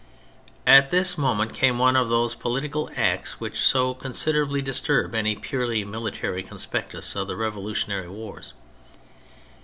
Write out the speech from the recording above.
At this moment came one of those political acts which so considerably disturb any purely military conspectus of the revolutionary wars.